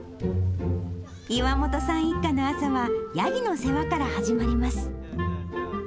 岩元さん一家の朝は、ヤギの世話から始まります。